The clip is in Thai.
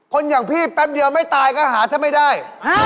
อย่างพี่แป๊บเดียวไม่ตายก็หาถ้าไม่ได้